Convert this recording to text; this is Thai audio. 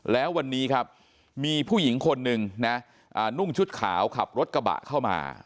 แล้ววันนี้ครับมีผู้หญิงคนหนึ่งนะนุ่งชุดขาวขับรถกระบะเข้ามา